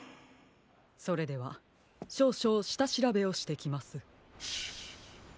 それではしょうしょうしたしらべをしてきます。